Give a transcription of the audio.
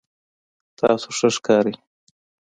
تاسو ښه ښکارئ